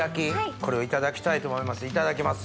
これをいただきたいと思いますいただきます。